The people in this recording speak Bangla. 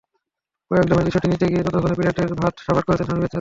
কয়েক দফায় দৃশ্যটি নিতে গিয়ে ততক্ষণে প্লেটের ভাত সাবাড় করেছেন স্বামী বেচারা।